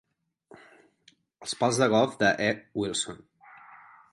Els pals de golf de E. Wilson.